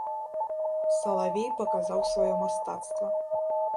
Салавей паказаў сваё мастацтва.